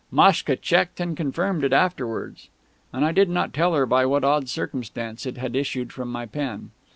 Maschka checked and confirmed it afterwards; and I did not tell her by what odd circumstance it had issued from my pen.